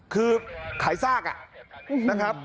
ขายซาก